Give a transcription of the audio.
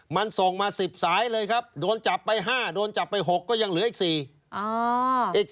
มันส่งมา๑๐สายเลยครับโดนจับไป๕โดนจับไป๖ก็ยังเหลืออีก๔